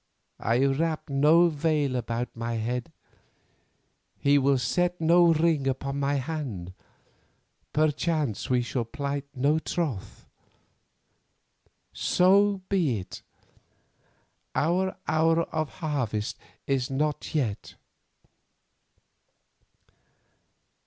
I wrap no veil about my head, he will set no ring upon my hand, perchance we shall plight no troth. So be it; our hour of harvest is not yet.